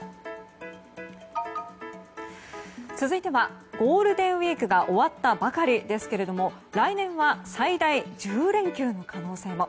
続いてはゴールデンウィークが終わったばかりですけれども来年は最大１０連休の可能性も。